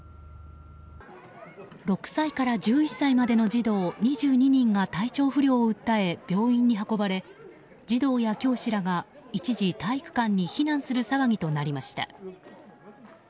６歳から１１歳までの児童２２人が体調不良を訴え病院に運ばれ児童や教師らが一時、体育館に避難する騒ぎとなりました。